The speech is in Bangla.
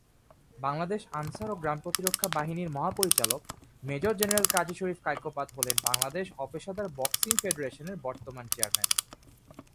বাংলাদেশ আনসার ও গ্রাম প্রতিরক্ষা বাহিনীর মহাপরিচালক মেজর জেনারেল কাজী শরীফ কায়কোবাদ হলেন বাংলাদেশ অপেশাদার বক্সিং ফেডারেশনের বর্তমান চেয়ারম্যান।